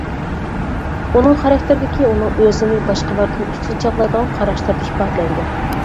ئۇنىڭ خاراكتېرىدىكى ئۇنىڭ ئۆزىنى باشقىلاردىن ئۈستۈن چاغلايدىغان قاراشلىرىدا ئىپادىلەنگەن.